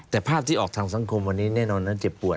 แต่ภาพที่ออกทางสังคมวันนี้แน่นอนนั้นเจ็บปวด